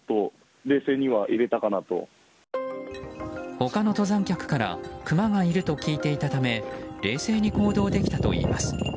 他の登山客からクマがいると聞いていたため冷静に行動できたといいます。